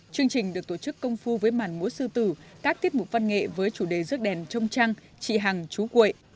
chương trình được tổ chức công phu với màn múa sư tử các tiết mục văn nghệ với chủ đề rước đèn trông trăng trị hàng chú quậy